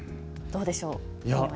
どうでしょう？